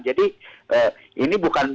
jadi ini bukan kampanye